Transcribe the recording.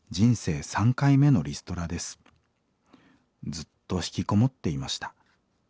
ずっとひきこもっていました。